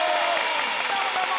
どうもどうも！